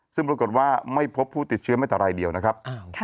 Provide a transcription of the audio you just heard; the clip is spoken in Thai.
ซึ่งปรากฏว่าไม่พบผู้ติดเชื้อไม่แต่รายเดียวนะครับ